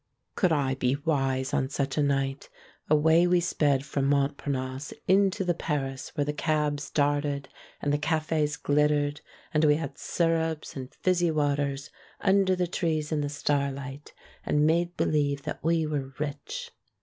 Could I be wise on such a night? Away we sped from Montparnasse into the Paris where the cabs darted and the cafes glittered; and we had syrups and fizzy waters under the trees in the starlight, and made believe that we were rich.